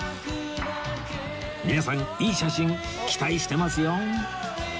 皆さんいい写真期待してますよ！